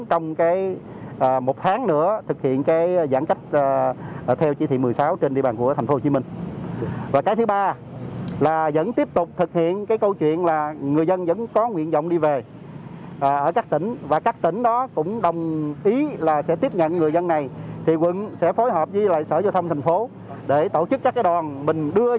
trong cái một tháng nữa thực hiện cái giãn cách